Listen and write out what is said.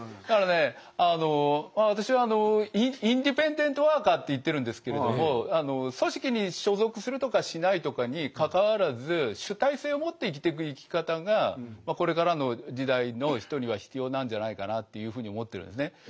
だからね私はあのインディペンデント・ワーカーって言ってるんですけれども組織に所属するとかしないとかにかかわらず主体性を持って生きていく生き方がこれからの時代の人には必要なんじゃないかなっていうふうに思ってるんですね。